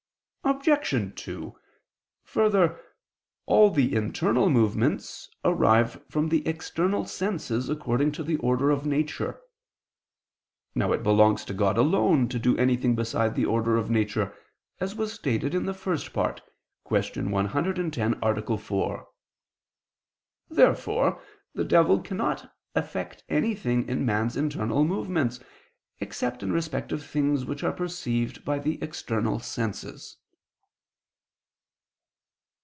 Obj. 2: Further, all the internal movements arise from the external senses according to the order of nature. Now it belongs to God alone to do anything beside the order of nature, as was stated in the First Part (Q. 110, A. 4). Therefore the devil cannot effect anything in man's internal movements, except in respect of things which are perceived by the external senses.